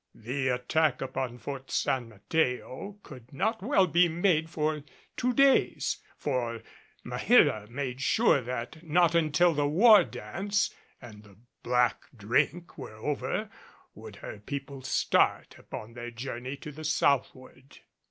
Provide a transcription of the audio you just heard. The attack upon Fort San Mateo could not well be made for two days, for Maheera made sure that not until the war dance and the "black drink" were over would her people start upon their journey to the southward.